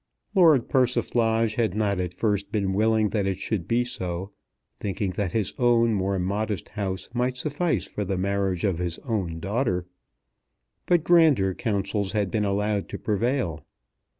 Lord Persiflage had not at first been willing that it should be so, thinking that his own more modest house might suffice for the marriage of his own daughter. But grander counsels had been allowed to prevail.